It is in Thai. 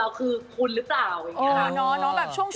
แล้วก็จะเป็นห่วง